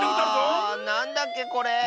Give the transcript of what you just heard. あなんだっけこれ？